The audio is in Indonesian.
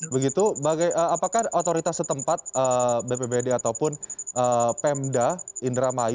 begitu apakah otoritas setempat bppd ataupun pemda